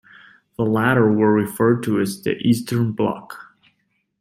The latter were referred to as the "Eastern Bloc".